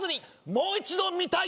もう一度見たい！